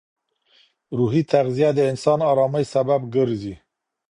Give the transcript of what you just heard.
روحي تغذیه د انسان ارامۍ سبب ګرځي.